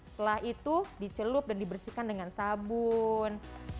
setelah itu dicelup dan dibersihkan dengan sabun